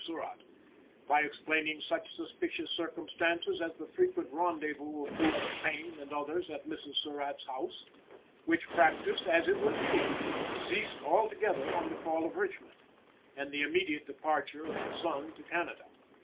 Surratt, by explaining such suspicious circumstances as the frequent rendezvous of Booth, Payne and others at Mrs. Surratt's house, which practice, as it was proved, ceased altogether on the fall of Richmond and the immediate departure of the son to Canada.